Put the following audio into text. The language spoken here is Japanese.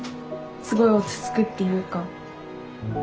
すごい落ち着くっていうか。